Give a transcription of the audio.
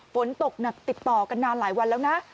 ฝนตกหนักติดต่อกันนานหลายวันแล้วนะ